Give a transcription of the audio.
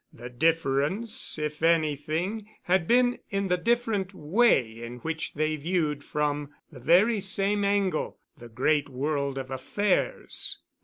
The difference, if anything, had been in the different way in which they viewed from the very same angle the great world of affairs.